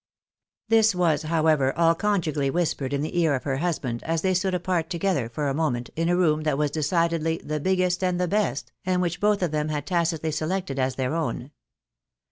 This was, however, all conjugally whispered in the ear of her husband, as they stood apart together for a moment, in a room that 38 THE BAENABYS IN AMERICA. was decidely the "biggest and the best," and which both of them had tacitly selected as their own.